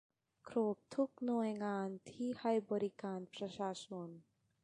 ครบทุกหน่วยงานที่ให้บริการประชาชน